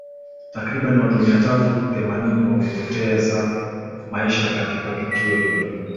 takriban watu mia tatu themanini wamepoteza maisha katika tukio hilo